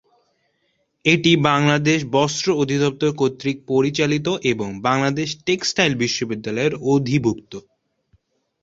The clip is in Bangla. এটি বাংলাদেশ বস্ত্র অধিদপ্তর কর্তৃক পরিচালিত এবং বাংলাদেশ টেক্সটাইল বিশ্ববিদ্যালয়ের অধিভুক্ত।